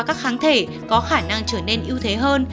các kháng thể có khả năng trở nên ưu thế hơn